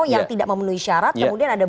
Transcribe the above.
yang tidak memenuhi syarat kemudian ada